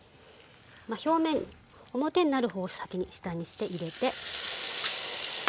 表面表になる方を先に下にして入れて。